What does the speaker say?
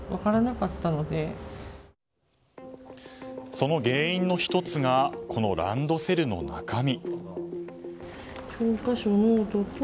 その原因の１つがランドセルの中身。